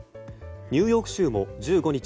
ニューヨーク州も１５日